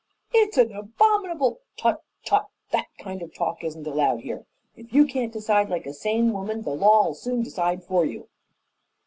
"It's an abominable " "Tut! Tut! That kind of talk isn't allowed here. If you can't decide like a sane woman the law'll soon decide for you."